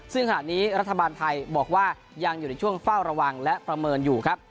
ซึ่งขณะนี้รัฐบาลไทยบอกว่ายังอยู่ในช่วงเฝ้าระวังและประเมินอยู่ครับ